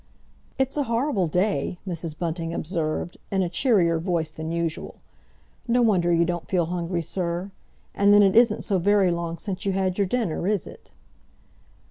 "It's a horrible day," Mrs. Bunting observed, in a cheerier voice than usual. "No wonder you don't feel hungry, sir. And then it isn't so very long since you had your dinner, is it?"